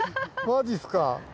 まじっすか。